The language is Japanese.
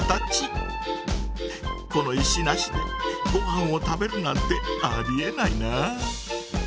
この石なしでごはんを食べるなんてありえないな。